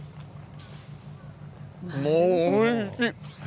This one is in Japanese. もうおいしい。